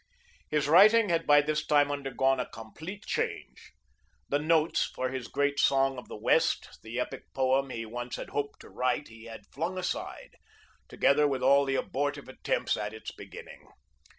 His writing had by this time undergone a complete change. The notes for his great Song of the West, the epic poem he once had hoped to write he had flung aside, together with all the abortive attempts at its beginning.